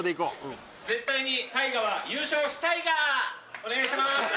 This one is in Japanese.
お願いします。